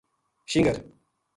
شنگر